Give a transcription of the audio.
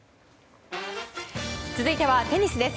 続いてはテニスです。